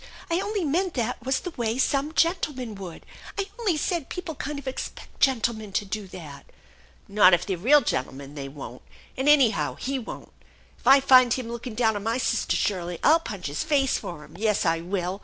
I only meant that was the way some gentlemen would. I only said people kind of expect gentlemen to do that." " Not if they're real gentlemen, they won't. And anyhow he won't. If I find him looking down on my sister Shirley, I'll punch his face for him. Yes, I will!